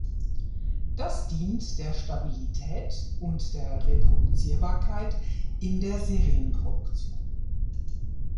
Das dient der Stabilität und der Reproduzierbarkeit in der Serienproduktion.